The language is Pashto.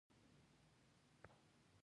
سهار وختی پاڅیدل بدن ته ګټه رسوی